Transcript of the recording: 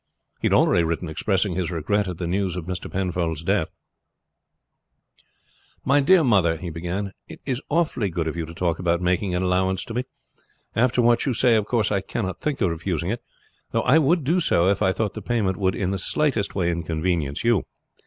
He had already written expressing his regret at the news of Mr. Penfold's death. "My dear mother," he began. "It is awfully good of you to talk about making an allowance to me. After what you say, of course I cannot think of refusing it, though I would do so if I thought the payment would in the slightest way inconvenience you.